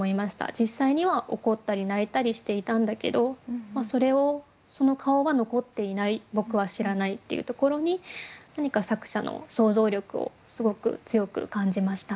実際には怒ったり泣いたりしていたんだけどそれをその顔は残っていない「僕は知らない」っていうところに何か作者の想像力をすごく強く感じました。